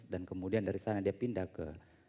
dan kemudian dari sana dia pindah ke